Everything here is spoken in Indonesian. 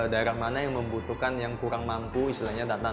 daerah mana yang membutuhkan yang kurang mampu istilahnya datang